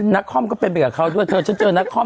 นักคล่อมก็เป็นไปกับเขาด้วยเธอเจอนักคล่อม